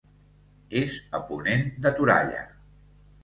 És a ponent de Toralla.